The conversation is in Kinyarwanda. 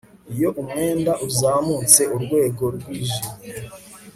Iyo umwenda uzamutse urwego rwijimye